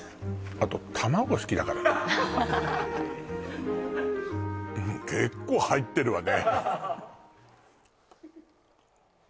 あと卵好きだから結構入ってるわね